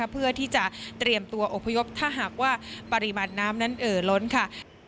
เพื่อที่จะเตรียมตัวอพยพถ้าหากว่าปริมาณน้ำนั้นเอ่อล้นค่ะ